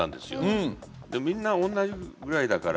みんな同じぐらいだから。